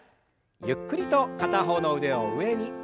ゆっくりと片方の腕を上に。